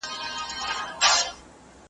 انتيک پلورونکی به ساعت معاينه کوي.